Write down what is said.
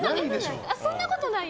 そんなことない？